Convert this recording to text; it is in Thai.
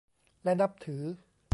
และนับถือ